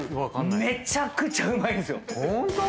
めちゃくちゃうまいです！